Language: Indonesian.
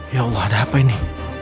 ya allah ada apa ini